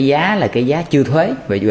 cái giá là cái giá chưa thuế